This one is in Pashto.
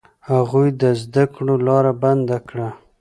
هغوی د زده کړو لاره بنده کړه.